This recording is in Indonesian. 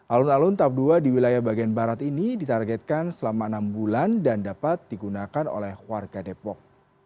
alun alun tap dua di wilayah bagian barat ini ditargetkan selama enam bulan dan dapat digunakan oleh warga depok